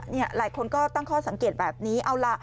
หลายคนก็ตั้งข้อสังเกตแบบนี้เอาล่ะ